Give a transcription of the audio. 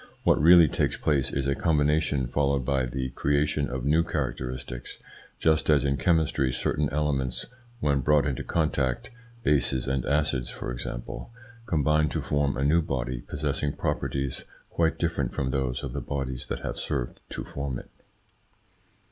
What really takes place is a combination followed by the creation of new characteristics, just as in chemistry certain elements, when brought into contact bases and acids, for example combine to form a new body possessing properties quite different from those of the bodies that have served to form it.